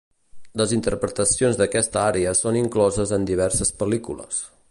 Les interpretacions d'aquesta ària són incloses en diverses pel·lícules.